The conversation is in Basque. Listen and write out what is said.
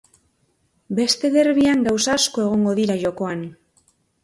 Beste derbian gauza asko egongo dira jokoan.